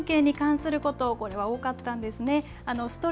親子関係に関すること、これは多かったんですね。